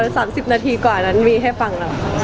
เดี๋ยวก่อน๓๐นาทีกว่านั้นมีให้ฟัง